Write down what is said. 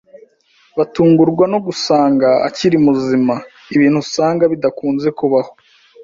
batungurwa no gusanga akiri muzima, ibintu usanga bidakunze kubaho